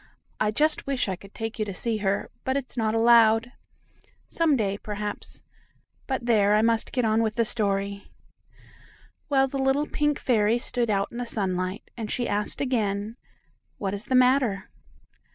I just wish I could take you to see her, but it's not allowed. Some day, perhaps but there, I must get on with the story. Well, the little pink fairy stood out in the sunlight, and she asked again: "What is the matter?"